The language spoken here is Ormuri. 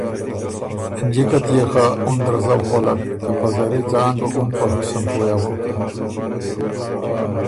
جِکه تيې خه اُن درزؤ خؤلک که په زری ځان بُو اُن په حُسن پویٛ اغوکې۔